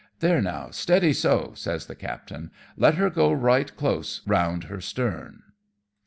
There now, steady so," says the captain, "^ let her go right close round her stern."